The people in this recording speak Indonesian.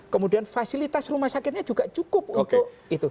kemudian fasilitas rumah sakitnya juga cukup untuk itu